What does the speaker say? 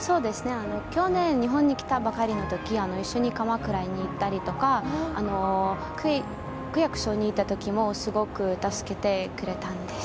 去年、日本に来たばかりのとき一緒に鎌倉に行ったりとか区役所に行ったときもすごく助けてくれたんです。